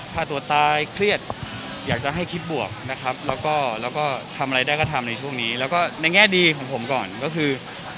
ฆ่าตัวตายเครียดอยากจะให้คิดบวกนะครับแล้วก็ทำอะไรได้ก็ทำในช่วงนี้แล้วก็ในแง่ดีของผมก่อนก็คือ